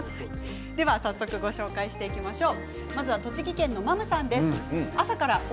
では早速ご紹介していきましょう。